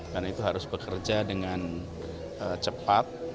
karena itu harus bekerja dengan cepat